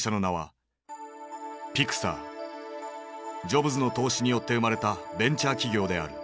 ジョブズの投資によって生まれたベンチャー企業である。